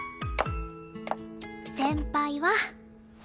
先輩は。